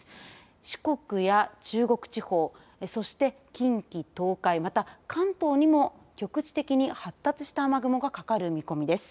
四国や中国地方そして近畿、東海、また関東にも局地的に発達した雨雲がかかる見込みです。